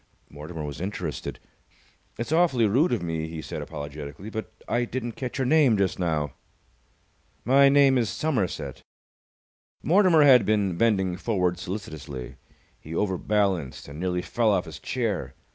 Mortimer was interested. "It's awfully rude of me," he said, apologetically, "but I didn't catch your name just now." "My name is Somerset." Mortimer had been bending forward solicitously. He overbalanced and nearly fell off his chair.